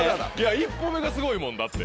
１歩目がすごいもんだって。